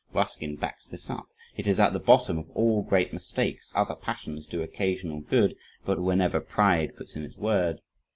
Ruskin backs this up "it is at the bottom of all great mistakes; other passions do occasional good, but whenever pride puts in its word